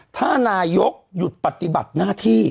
ถ้านายกหยุดปฏิบัติหน้าที่